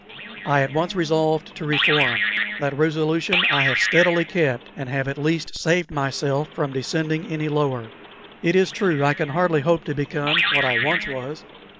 I at once resolved to reform. That resolution I have steadily kept, and have at least saved myself from descending any lower. It is true, I can hardly hope to become what I once was.